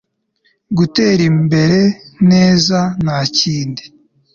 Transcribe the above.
gutera imbere neza!' nta kindi